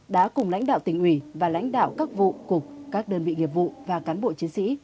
đã cùng lãnh đạo tỉnh ủy và lãnh đạo các vụ cục các đơn vị nghiệp vụ và cán bộ chiến sĩ